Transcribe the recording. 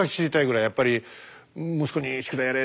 やっぱり息子に「宿題やれ！」